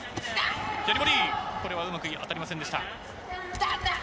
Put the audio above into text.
左ボディー、これはうまく当たりませんでした。